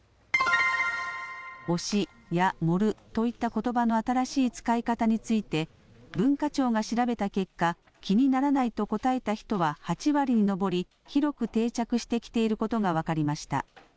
推しや盛るといったことばの新しい使い方について文化庁が調べた結果、気にならないと答えた人は８割に上り広く定着してきていることが分かりました。